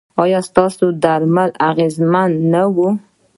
ایا ستاسو درمل اغیزمن نه وو؟